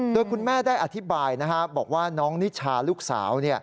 โดยคุณแม่ได้อธิบายบอกว่าน้องนิชาลูกสาว